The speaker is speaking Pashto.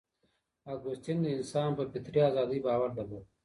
اګوستین د انسان په فطري ازادۍ باور درلود.